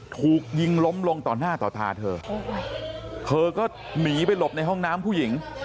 ถูกยิงล้มลงต่อหน้าต่อตาเธอเธอก็หนีไปหลบในห้องน้ำผู้หญิง